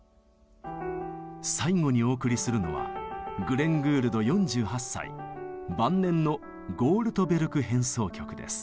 最後にお送りするのはグレン・グールド４８歳晩年の「ゴールトベルク変奏曲」です。